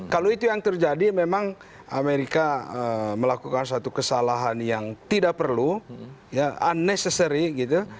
kalau itu yang terjadi memang amerika melakukan satu kesalahan yang tidak perlu ya unnecessary gitu